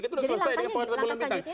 kita sudah selesai dengan partai bulan bintang